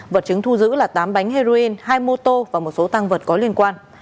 vật chứng thu giữ là tám bánh heroin hai mô tô và một số tăng vật có liên quan